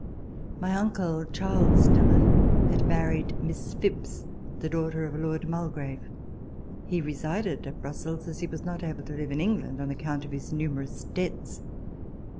My uncle, Charles Dillon, had married Miss Phipps, daughter of Lord Mulgrave. He resided at Brussels, as he was not able to live in England on account of his numerous debts.